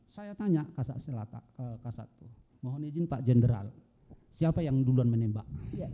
saya tanya ke kasatwa mohon izin pak jenderal siapa yang duluan menembak